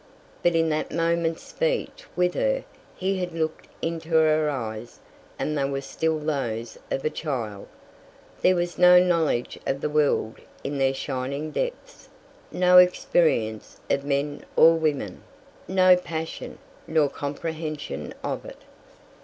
But in that moment's speech with her he had looked into her eyes and they were still those of a child; there was no knowledge of the world in their shining depths, no experience of men or women, no passion, nor comprehension of it.